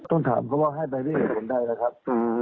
ต้องถามเขาว่าให้ไปด้วยเหตุผลใดนะครับ